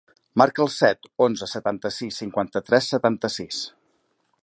Marca el set, onze, setanta-sis, cinquanta-tres, setanta-sis.